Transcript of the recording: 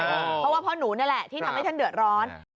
เพราะว่าพ่อหนูนี่แหละที่ทำให้ท่านเดือดร้อน